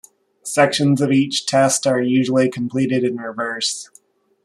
Sections of each test are usually completed in reverse.